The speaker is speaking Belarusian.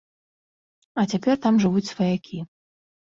А цяпер там жывуць сваякі.